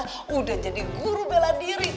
sudah jadi guru bela diri